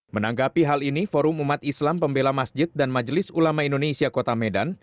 menanggapi hal ini forum umat islam pembela masjid dan majelis ulama indonesia kota medan